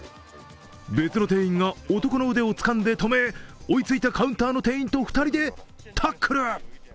別の店員が男の腕をつかんで止め、追いついたカウンターの店員と２人でタックル。